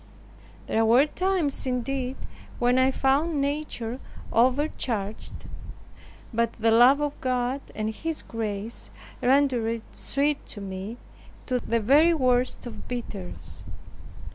There were times indeed when I found nature overcharged; but the love of God and His grace rendered sweet to me the very worst of bitters.